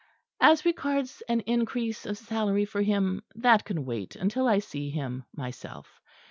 As regards an increase of salary for him, that can wait until I see him myself.